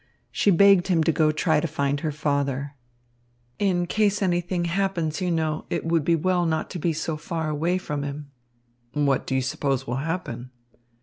She begged him to go try to find her father. "In case anything happens, you know, it would be well not to be so far away from him." "What do you suppose will happen?"